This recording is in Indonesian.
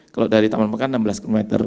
kalau dari taman pekan enam belas km